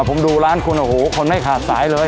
ผมดูร้านคุณโอ้โหคนไม่ขาดสายเลย